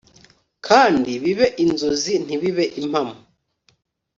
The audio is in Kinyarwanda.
kandi bibe inzozi ntibibe impamo